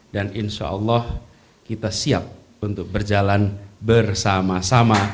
dan insya allah kita siap untuk berjalan bersama sama